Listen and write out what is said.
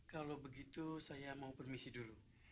kalau begitu saya mau permisi dulu